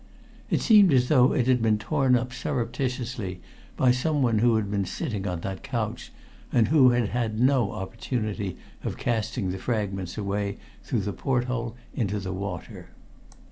It seemed as though it had been torn up surreptitiously by someone who had been sitting on that couch, and who had had no opportunity of casting the fragments away through the port hole into the water.